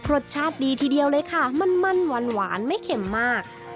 รสชาติดีทีเดียวเลยค่ะมันหวานไม่เข็มมาก